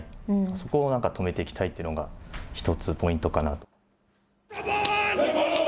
そこをなんとか止めていきたいというのが、１つポイントかなと。